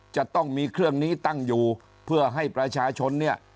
จะต้องมีเครื่องนี้ตั้งอยู่เพื่อให้ประชาชนเนี่ย